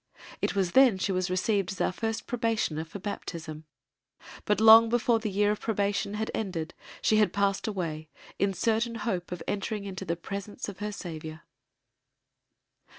It was then she was received as our first Probationer for Baptism but long before the year of probation had ended she had passed away in certain hope of entering into the Presence of her Saviour.